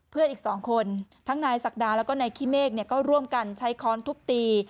อีก๒คนทั้งนายศักดาแล้วก็นายขี้เมฆก็ร่วมกันใช้ค้อนทุบตี